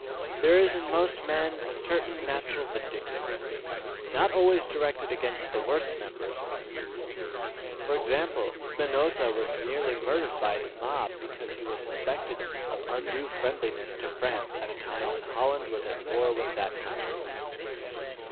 There is in most men a certain natural vindictiveness, not always directed against the worst members of the community. For example, Spinoza was very nearly murdered by the mob because he was suspected of undue friendliness to France at a time when Holland was at war with that country.